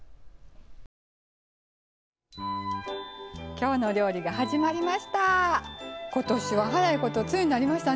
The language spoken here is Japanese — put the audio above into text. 「きょうの料理」が始まりました。